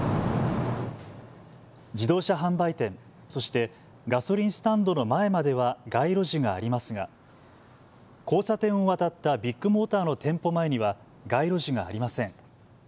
自動車販売店、そしてガソリンスタンドの前までは街路樹がありますが交差点を渡ったビッグモーターの店舗前には街路樹がありません。